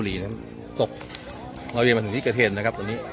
ศุกร์เราเรียนมาข้างหน้างี้กระเทศนะครับตอนนี้